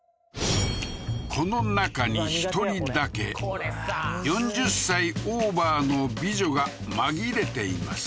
この中に１人だけ４０歳オーバーの美女が紛れています